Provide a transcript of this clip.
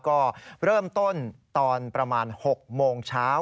ก็เริ่มต้นตอนประมาณ๖โมงเช้า